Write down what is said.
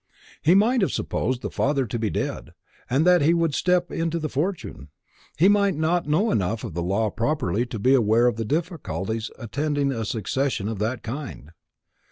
"He might have supposed the father to be dead, and that he would step into the fortune. He might not know enough of the law of property to be aware of the difficulties attending a succession of that kind.